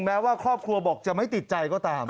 แม้ว่าครอบครัวบอกจะไม่ติดใจก็ตาม